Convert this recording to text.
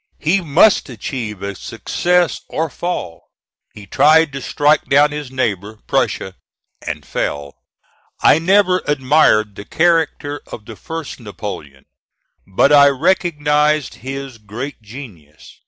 He must achieve a success or fall. He tried to strike down his neighbor, Prussia and fell. I never admired the character of the first Napoleon; but I recognize his great genius.